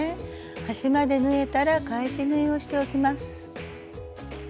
端まで縫えたら返し縫いをしておきます。